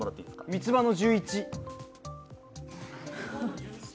三つ葉の１１。